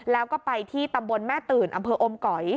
แล้วก็ไปที่ตำบลแม่ตื่นอำเภออมก๋อย